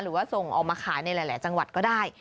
หรือว่าส่งออกมาขายในหลายจังหวัดก็ได้